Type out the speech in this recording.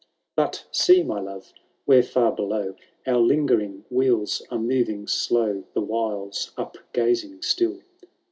^ II. But see, my love, where &r below Our lingering wheels are moving slow, The whiles, up gazing still.